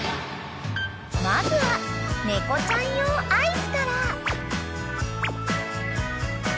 ［まずは猫ちゃん用アイスから］